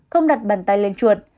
không đặt bàn tay lên chuột